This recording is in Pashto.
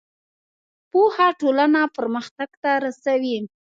پوهه ټولنه پرمختګ ته رسوي.